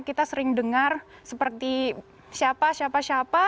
kita sering dengar seperti siapa siapa